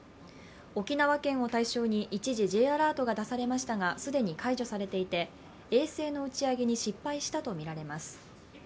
沖縄県を対象に一時、Ｊアラートが出されましたが、既に解除されていて衛星の打ち上げに失敗したとみられます。